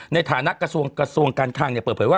ในฐานะกระทรวงการคลังเปิดเผยว่า